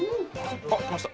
あっきました！